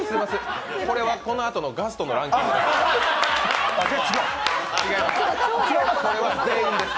これはこのあとのガストのランキングです。